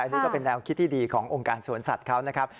อันนี้ก็เป็นแนวคิดที่ดีขององค์การสวนสัตว์เขานะครับ